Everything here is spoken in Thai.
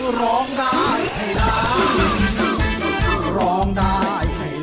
เพื่อร้องได้ให้ร้อง